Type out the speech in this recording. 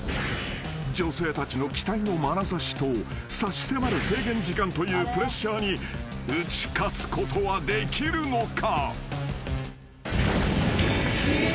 ［女性たちの期待のまなざしと差し迫る制限時間というプレッシャーに打ち勝つことはできるのか？］